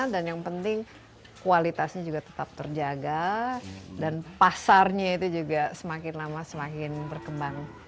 dan yang penting kualitasnya juga tetap terjaga dan pasarnya itu juga semakin lama semakin berkembang